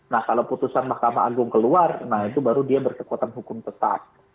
nah kalau putusan mahkamah agung keluar nah itu baru dia berkekuatan hukum tetap